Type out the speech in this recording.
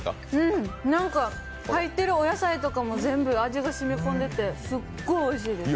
入ってるお野菜とかも全部味が染み込んでてすっごいおいしいです。